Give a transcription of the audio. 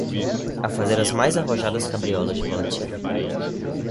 a fazer as mais arrojadas cabriolas de volatim